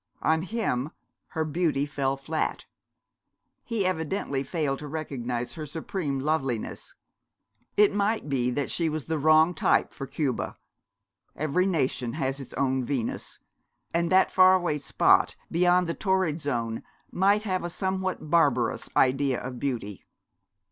On him her beauty fell flat. He evidently failed to recognise her supreme loveliness. It might be that she was the wrong type for Cuba. Every nation has its own Venus; and that far away spot beyond the torrid zone might have a somewhat barbarous idea of beauty.